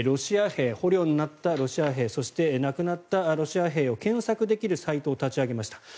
捕虜になったロシア兵そして、亡くなったロシア兵を検索できるサイトを立ち上げました。